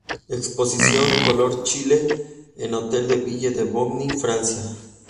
Exposición "Color Chile", en Hotel de Ville de Bobigny, Francia